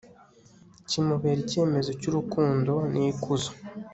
Kimubera icyemezo Cyurukundo nikuzo